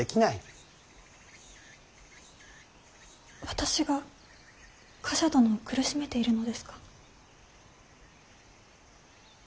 私が冠者殿を苦しめているのですか。